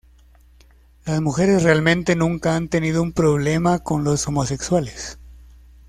Las mujeres realmente nunca han tenido un problema con los homosexuales.